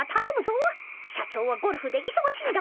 社長はゴルフでいそがしいんだからな。